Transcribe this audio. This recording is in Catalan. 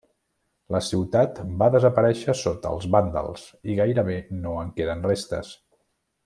La ciutat va desaparèixer sota els vàndals i gairebé no en queden restes.